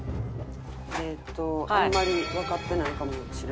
えーっとあんまりわかってないかもしれない。